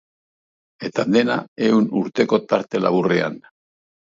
Eta dena ehun urteko tarte laburrean.